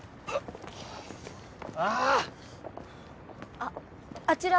あっあちら